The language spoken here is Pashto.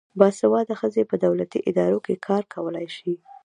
باسواده ښځې په دولتي ادارو کې کار کولای شي.